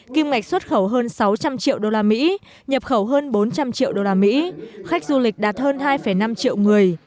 kim ngạch xuất khẩu hơn sáu trăm linh triệu usd nhập khẩu hơn bốn trăm linh triệu usd khách du lịch đạt hơn hai năm triệu người